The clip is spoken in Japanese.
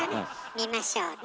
見ましょうね。